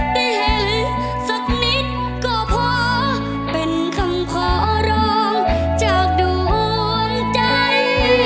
ไปเห็นสักนิดก็พอเป็นคำขอร้องจากดวงใจ